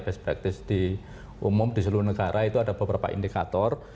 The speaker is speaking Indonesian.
best practice di umum di seluruh negara itu ada beberapa indikator